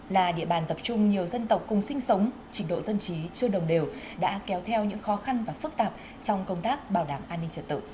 là địa bàn tập trung nhiều dân tộc cùng sinh sống trình độ dân trí chưa đồng đều đã kéo theo những khó khăn và phức tạp trong công tác bảo đảm an ninh trật tự